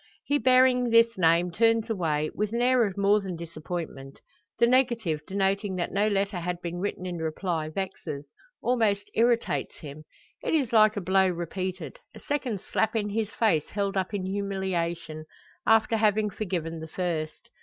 He bearing this name turns away, with an air of more than disappointment. The negative denoting that no letter had been written in reply, vexes almost irritates him. It is like a blow repeated a second slap in his face held up in humiliation after having forgiven the first.